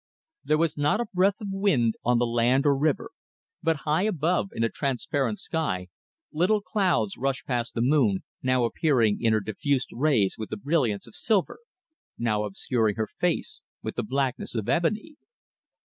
There was not a breath of wind on the land or river, but high above, in the transparent sky, little clouds rushed past the moon, now appearing in her diffused rays with the brilliance of silver, now obscuring her face with the blackness of ebony.